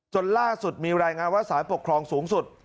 จนล่าสุดมีรายงานว่าสารปกครองสูงสุด